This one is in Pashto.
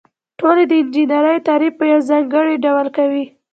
ټولنې د انجنیری تعریف په یو ځانګړي ډول کوي.